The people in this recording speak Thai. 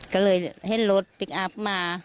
ก็เลยให้รถพลิกอัพมา